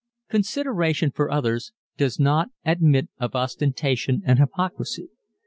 Consideration for others does not admit of ostentation and hypocrisy.